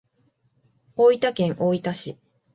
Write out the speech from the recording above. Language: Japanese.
大分県大分市